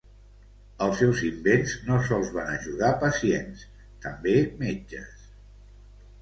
Els seus invents no sols van ajudar pacients, també metges.